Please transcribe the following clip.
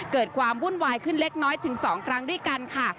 เกิดความวุ่นวายขึ้นเล็กน้อยถึง๒ครั้งด้วยกันค่ะ